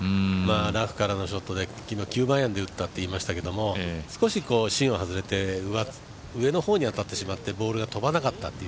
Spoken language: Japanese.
ラフからのショットで９番アイアンで打ったといいましたけど少し芯を外れて上の方に当たってしまってボールが飛ばなかったっていう。